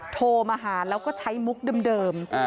โทรมาหาแล้วก็ใช้มุกเดิม